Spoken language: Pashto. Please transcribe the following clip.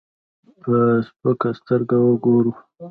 په سپکه سترګه وګورو.